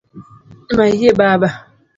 Mayie Baba!